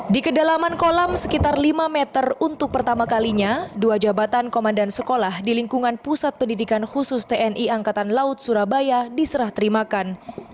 di kedalaman kolam sekitar lima meter untuk pertama kalinya dua jabatan komandan sekolah di lingkungan pusat pendidikan khusus tni angkatan laut surabaya diserah terimakan